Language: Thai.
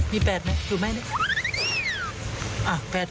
มี๘ไหมจูบแม่ดิ